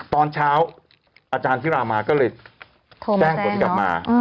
ตอนเช้าอาจารย์ธิรามาก็เลยแจ้งผลกลับมา